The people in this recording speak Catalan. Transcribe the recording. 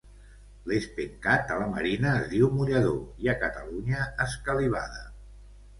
L'espencat, a la Marina es diu mullador i a Catalunya escalivada